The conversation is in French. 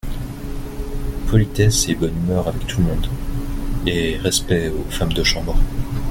Politesse et bonne humeur avec tout le monde, et respect aux femmes de chambre…